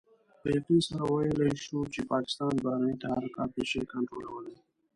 په يقين سره ويلای شو چې پاکستان بهرني تحرکات نشي کنټرولولای.